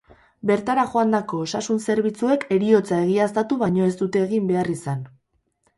Bertara joandako osasun zerbitzuek heriotza egiaztatu baino ez dute egin behar izan.